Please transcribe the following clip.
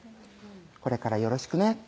これからよろしくね」